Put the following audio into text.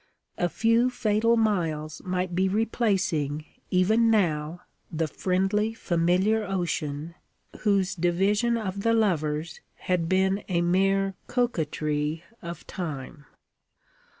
A few fatal miles might be replacing, even now, the friendly, familiar ocean whose division of the lovers had been a mere coquetry of Time.